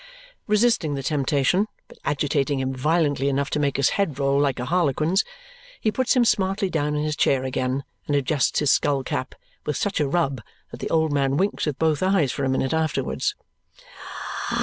Resisting the temptation, but agitating him violently enough to make his head roll like a harlequin's, he puts him smartly down in his chair again and adjusts his skull cap with such a rub that the old man winks with both eyes for a minute afterwards.